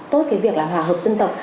tốt cái việc là hòa hợp dân tộc